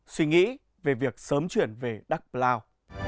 suy nghĩ về việc sớm chuyển về đắk lào